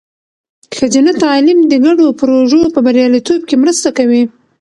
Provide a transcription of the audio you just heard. ښځینه تعلیم د ګډو پروژو په بریالیتوب کې مرسته کوي.